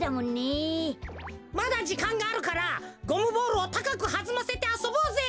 まだじかんがあるからゴムボールをたかくはずませてあそぼうぜ！